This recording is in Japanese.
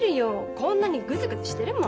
こんなにグズグズしてるもん。